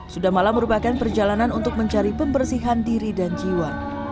sudamala merupakan perjalanan untuk mencari pembersihan diri dan jiwa